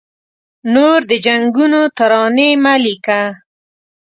نور د جنګونو ترانې مه لیکه